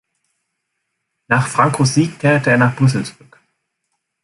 Nach Francos Sieg kehrte er nach Brüssel zurück.